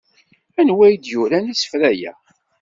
Anwa ay d-yuran isefra-a?